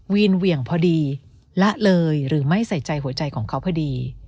เหวี่ยงพอดีละเลยหรือไม่ใส่ใจหัวใจของเขาพอดี